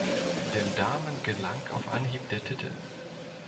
Den Damen gelang auf Anhieb der Titel.